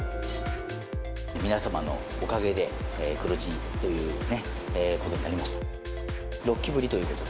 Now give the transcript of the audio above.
皆様のおかげで、黒字ということになりました。